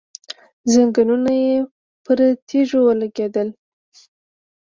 ځنګنونه يې پر تيږو ولګېدل.